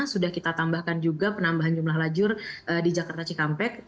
sudah kita tambahkan juga penambahan jumlah lajur di jakarta cikampek